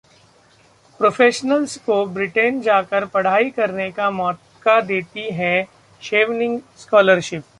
professionals को Britain जाकर पढ़ाई करने का मौका देती है शेवनिंग स्कॉलरशिप